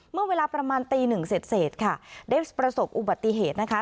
เมื่อเวลาประมาณตีหนึ่งเสร็จค่ะได้ประสบอุบัติเหตุนะคะ